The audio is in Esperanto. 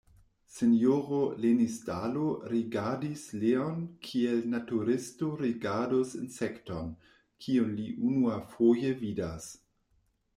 Sinjoro Lenisdalo rigardis Leon kiel naturisto rigardus insekton, kiun li unuafoje vidas.